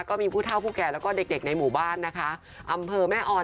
ก็มีผู้เท่าผู้แก่แล้วก็เด็กเด็กในหมู่บ้านนะคะอำเภอแม่ออย